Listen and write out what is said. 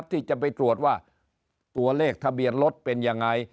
ที่จะไปตรวจว่าตัวเลขทะเบียนรถเป็นยังไง